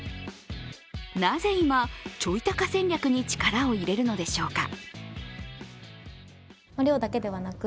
なぜ今、ちょい高戦略に力を入れるのでしょうか。